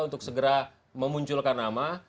untuk segera memunculkan nama